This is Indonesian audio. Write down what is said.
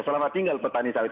selamat tinggal petani sawit